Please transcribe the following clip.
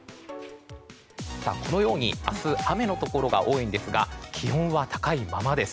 このように明日雨のところが多いんですが気温は高いままです。